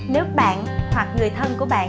nếu bạn hoặc người thân của bạn